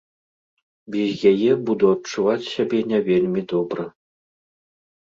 Без яе буду адчуваць сябе не вельмі добра.